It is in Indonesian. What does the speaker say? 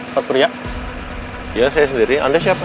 pasurya ya saya sendiri anda siapa